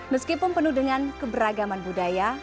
meskipun penuh dengan keberagaman budaya